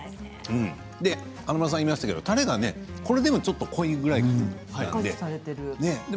華丸さん、言いましたけれどたれが、これでもちょっと濃いぐらいの感じで。